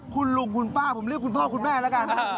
คุณลุงคุณป้าผมเรียกคุณพ่อคุณแม่แล้วกัน